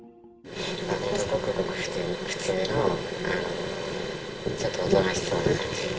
ほんとごくごく普通の、ちょっとおとなしそうな感じの。